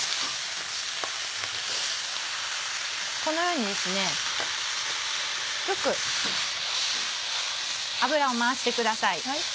このようによく油を回してください。